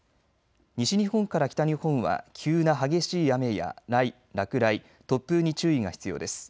西日本から北日本は急な激しい雨や落雷、突風に注意が必要です。